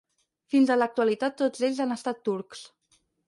Fins a l'actualitat tots ells han estat turcs.